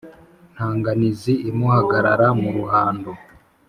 nta nganizi imuhagarara mu ruhando.